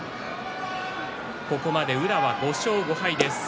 ここまで宇良が５勝５敗です。